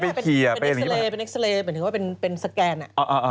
เป็นเอ็กซาเลเป็นเอ็กซาเลเป็นถือว่าเป็นสแกนอะ